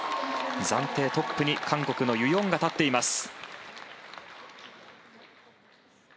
暫定トップに韓国のユ・ヨンが立っています。